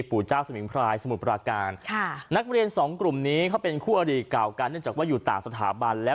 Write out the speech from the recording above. คุณคุณคุณนะคะสรุปแล้วคนสามารถเราก็พูดจับได้